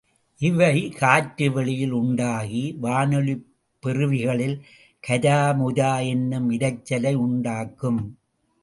இவை காற்றுவெளியில் உண்டாகி, வானொலிப் பெறுவிகளில் கரமுரா என்னும் இரைச்சலை உண்டாக்கும்.